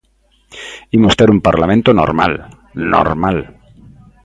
Imos ter un Parlamento normal, ¡normal!